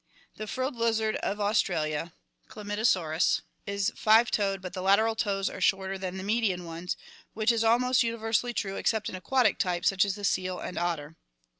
The frilled lizard of Australia, Chlamydosaurus, is five toed but the lateral toes are shorter than the median ones, which is almost universally true except in aquatic types such as the seal and otter.